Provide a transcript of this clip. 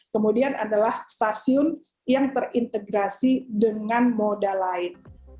kemudian adalah stasiun yang terintegrasi dengan moda lain